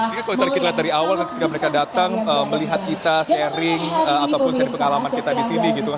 jadi kalau kita lihat dari awal ketika mereka datang melihat kita sharing ataupun sharing pengalaman kita di sini gitu kan